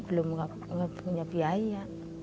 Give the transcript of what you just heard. belum punya biaya